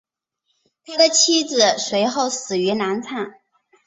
他的妻子随后死于难产。